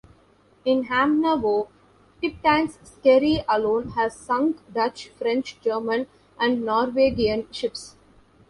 In Hamnavoe, Tiptans Skerry alone has sunk Dutch, French, German and Norwegian ships.